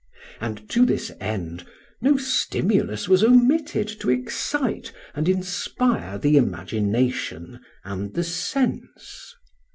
And to this end no stimulus was omitted to excite and inspire the imagination and the sense.